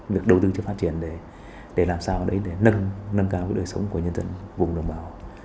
được đầu tư cho phát triển để làm sao đấy để nâng cao đời sống của nhân dân vùng đồng bào